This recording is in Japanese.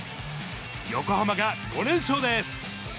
横浜が５連勝です。